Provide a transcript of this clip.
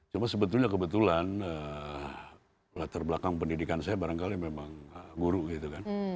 cuma sebetulnya kebetulan latar belakang pendidikan saya barangkali memang guru gitu kan